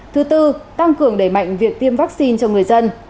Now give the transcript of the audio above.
thứ tư tăng cường đẩy mạnh việc tiêm vaccine cho người dân